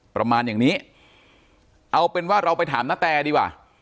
ประมาณอย่างนี้เอาเป็นว่าเราไปถามนาแตดีกว่า